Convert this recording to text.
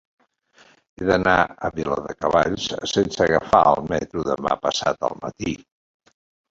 He d'anar a Viladecavalls sense agafar el metro demà passat al matí.